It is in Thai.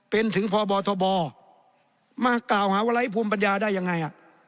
เป็นถึงพบทบมากล่าวหาว่าไร้ภูมิปัญญาได้ยังไง